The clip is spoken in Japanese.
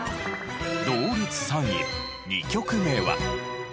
同率３位２曲目は。